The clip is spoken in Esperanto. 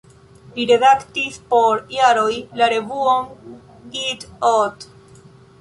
Li redaktis por jaroj la revuon "Itt-Ott".